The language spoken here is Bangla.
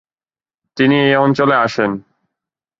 তিনি এ অঞ্চলে আসেন।